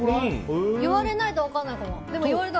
言われないと分かんないかも。